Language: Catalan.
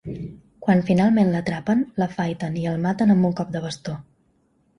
Quan finalment l’atrapen, l’afaiten i el maten amb un cop de bastó.